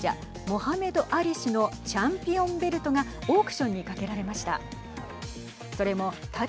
モハメド・アリ氏のチャンピオンベルトがオークションにかけられました。